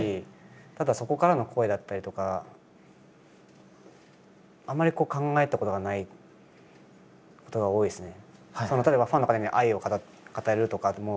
ただそこからの声だったりとかあんまり考えたことがないことが多いですね。